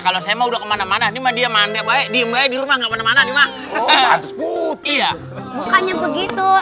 kalau saya mau kemana mana nih dia mandi baik di rumah enggak mana mana ya bukannya begitu